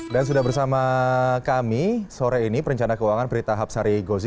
dan sudah bersama kami sore ini perencana keuangan brita habsari gozi